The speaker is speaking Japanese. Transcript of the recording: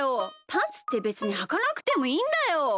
パンツってべつにはかなくてもいいんだよ。